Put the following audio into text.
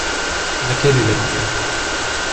Laquelle est la meilleure ?